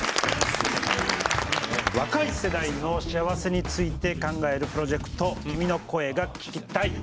若い世代の幸せについて考えるプロジェクト「君の声が聴きたい」。